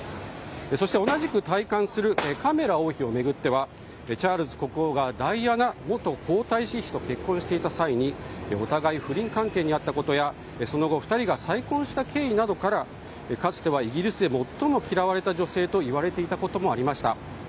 そして同じく戴冠するカミラ王妃を巡ってはチャールズ国王がダイアナ元皇太子妃と結婚していた際にお互い不倫関係にあったことやその後２人が再婚した経緯などからかつてはイギリスで最も嫌われた女性と言われていたこともありました。